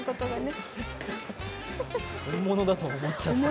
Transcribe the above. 本物だと思っちゃった。